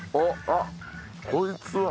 あっこいつは。